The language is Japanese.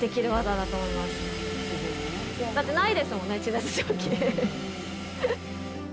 だってないですもんね、地熱蒸気。